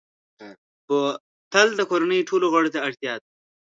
بوتل د کورنۍ ټولو غړو ته اړتیا ده.